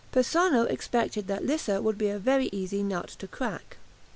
Persano expected that Lissa would be a very easy nut to crack.